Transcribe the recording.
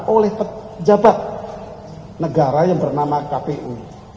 oleh pejabat negara yang bernama kpu